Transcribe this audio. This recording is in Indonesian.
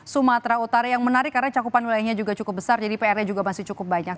sumatera utara yang menarik karena cakupan wilayahnya juga cukup besar jadi pr nya juga masih cukup banyak